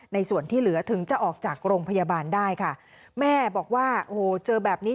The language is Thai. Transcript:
ส่วนที่เหลือถึงจะออกจากโรงพยาบาลได้ค่ะแม่บอกว่าโอ้โหเจอแบบนี้